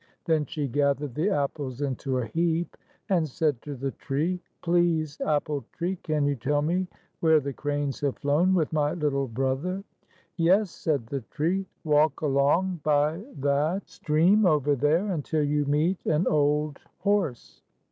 Then she gathered the apples into a heap, and said to the tree, "Please, apple tree, can you tell me where the cranes have flown with my little brother?" "Yes," said the tree. "Walk along by that 43 stream over there, until you meet an old horse.